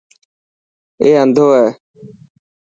اي انڌو هي.